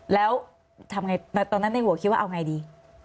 แล้วทำไงตอนนั้นในหัวคิดว่าเอาไงดี